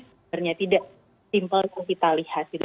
sebenarnya tidak simple kalau kita lihat gitu